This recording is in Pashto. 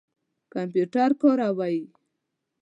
کمپیوټر کاروئ؟